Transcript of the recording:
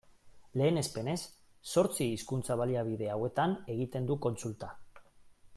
Lehenespenez, zortzi hizkuntza-baliabide hauetan egiten du kontsulta.